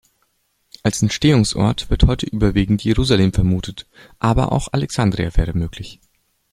Als Entstehungsort wird heute überwiegend Jerusalem vermutet, aber auch Alexandria wäre möglich.